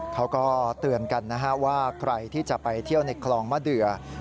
เขาก็เตือนกันนะฮะว่าใครที่จะไปเที่ยวในคลองมะเดือ